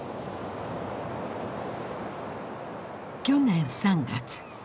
去年３月。